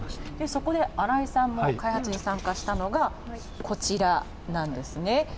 そこで新井さんも開発に参加したのがこちらなんですね。